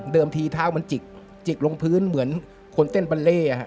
เดิมที่ทางเหมือนจิกลงทึ่งเหมือนขนเส้นอาหาร